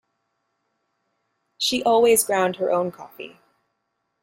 She always ground her own coffee.